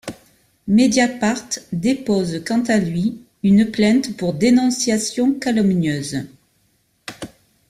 Mediapart dépose quant à lui une plainte pour dénonciation calomnieuse.